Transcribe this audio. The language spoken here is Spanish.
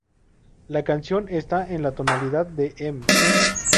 La canción esta en la tonalidad de Em.